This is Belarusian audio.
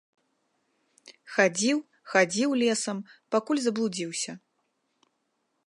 Хадзіў, хадзіў лесам, пакуль заблудзіўся.